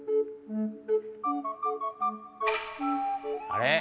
あれ？